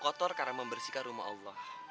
kotor karena membersihkan rumah allah